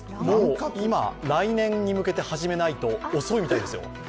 もう今、来年に向けて始めないと遅いみたいですよ。